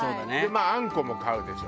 まああんこも買うでしょ。